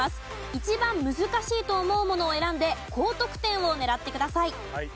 一番難しいと思うものを選んで高得点を狙ってください。